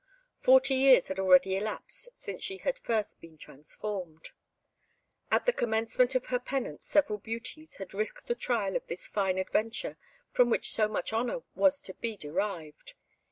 Forty years had already elapsed since she had been first transformed. At the commencement of her penance several beauties had risked the trial of this fine adventure, from which so much honour was to be derived.